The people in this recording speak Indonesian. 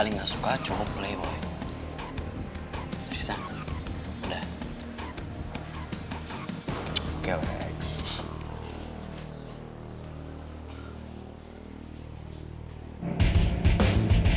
mungkin kayaknya gak jadi